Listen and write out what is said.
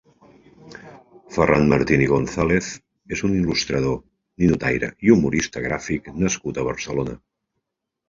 Ferran Martín i González és un il·lustrador, ninotaire i humorista gràfic nascut a Barcelona.